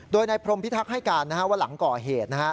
โดยในพรมพิทักษ์ให้การนะครับว่าหลังก่อเหตุนะครับ